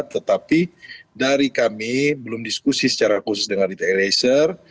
tetapi dari kami belum diskusi secara khusus dengan richard eliezer